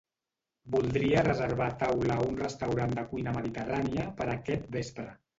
Voldria reservar taula a un restaurant de cuina mediterrània per aquest vespre.